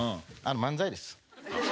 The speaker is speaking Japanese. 漫才です。